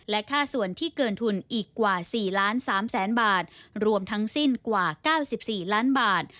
และค่าส่วนที่เกินทุนอีกกว่า๔ล้าน๓แสนบาทรวมทั้งสิ้นกว่า๙๔ล้านบาท